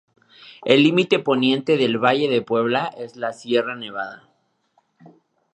El límite poniente del valle de Puebla es la Sierra Nevada.